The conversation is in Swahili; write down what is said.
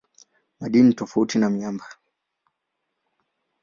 Madini ni tofauti na miamba.